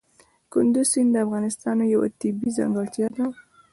کندز سیند د افغانستان یوه طبیعي ځانګړتیا ده.